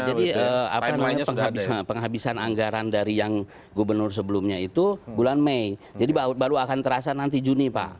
jadi penghabisan anggaran dari yang gubernur sebelumnya itu bulan may jadi baru akan terasa nanti juni pak